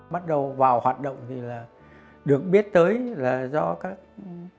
bắt đầu vào hoạt động thì là được biết tới là do các